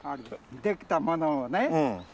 できたものをね